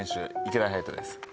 池田隼人です